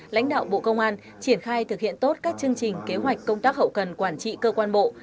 lãnh đạo bộ công an triển khai thực hiện tốt các chương trình kế hoạch công tác hậu cần quản trị cơ quan bộ